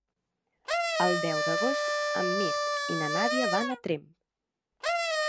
El deu d'agost en Mirt i na Nàdia van a Tremp.